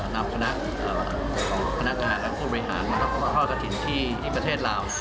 นำคณะรัฐผู้บริหารทอดกะถิ่นที่ประเทศลาว